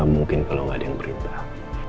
gak mungkin kalau gak ada yang berintah